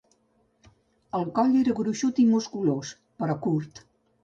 El coll era gruixut i musculós però curt.